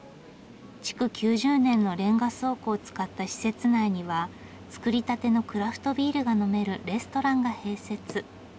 築９０年のレンガ倉庫を使った施設内には造りたてのクラフトビールが呑めるレストランが併設。